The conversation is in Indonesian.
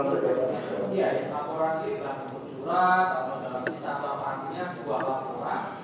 laporan itu menurut surat atau dalam sisa panggilan sebuah laporan